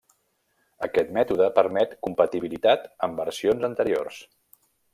Aquest mètode permet compatibilitat amb versions anteriors.